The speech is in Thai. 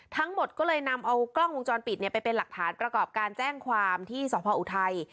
ทั้งหมดก็เลยนำเอากล้องวงจรปิดไปเป็นหลักฐานประกอบการแจ้งความที่สพออุทัย